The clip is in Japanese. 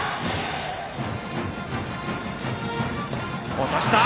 落とした！